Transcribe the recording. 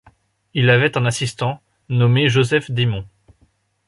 Il avait un assistant, nommé Joseph Dymond.